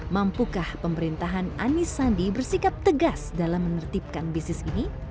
mampukah pemerintahan anies sandi bersikap tegas dalam menertibkan bisnis ini